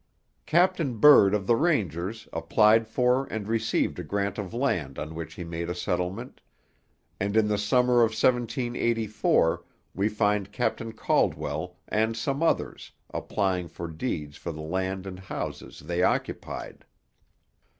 Captain Bird of the Rangers applied for and received a grant of land on which he made a settlement; and in the summer of 1784 we find Captain Caldwell and some others applying for deeds for the land and houses they occupied.